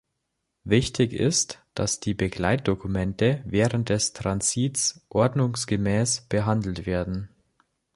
Wichtig ist auch, dass die Begleitdokumente während des Transits ordnungsgemäß behandelt werden.